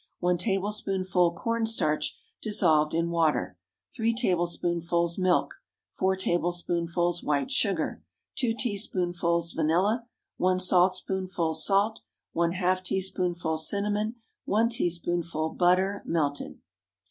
1 tablespoonful corn starch dissolved in water. 3 tablespoonfuls milk. 4 tablespoonfuls white sugar. 2 teaspoonfuls vanilla. 1 saltspoonful salt. ½ teaspoonful cinnamon. 1 teaspoonful butter, melted.